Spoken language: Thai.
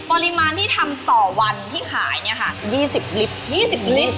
ปริมาณที่ทำต่อวันที่ขายเนี่ยค่ะ